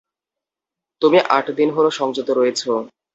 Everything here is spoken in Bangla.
তুমি আট দিন হল সংযত রয়েছ।